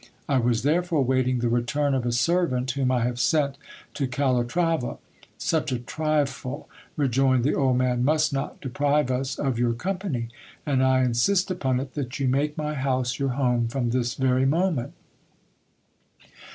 I was therefore waiting the return of a servant whom I have sent to Cala trava. Such a trifle, rejoined the old man, must not deprive us of your com pany ; and I insist upon it, that you make my house your home from this very moment.